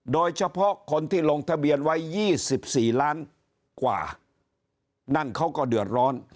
โดยเฉพาะคนที่ลงทะเบียนไว้๒๔ล้านกว่านั่นเขาก็เดือดร้อน